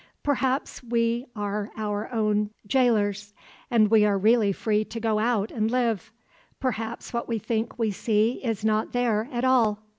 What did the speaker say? Perhaps we are our own gaolers, and we are really free to go out and live. Perhaps what we think we see is not there at all.